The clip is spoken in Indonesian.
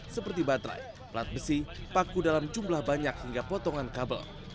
seperti baterai pelat besi paku dalam jumlah banyak hingga potongan kabel